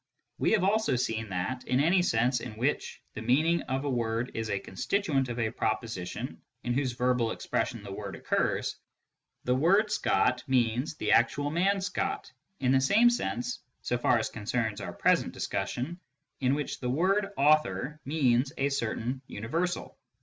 We have seen also that, in any sense in which the meaning of a word is a constituent of a proposition in whose verbal expression the word occurs, " Scott " means the actual man Scott, in the same sense (so far as concerns our present discussion) in which " author " means a certain universal.